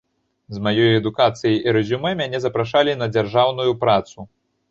З маёй адукацыяй і рэзюмэ мяне запрашалі на дзяржаўную працу.